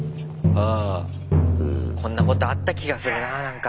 こんなことあった気がするなぁなんか。